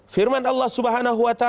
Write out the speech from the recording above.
firman allah swt